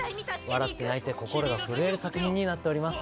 笑って泣いて心が震える作品になっております。